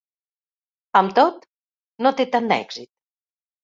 Amb tot, no té tant èxit.